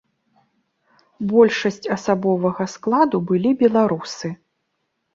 Большасць асабовага складу былі беларусы.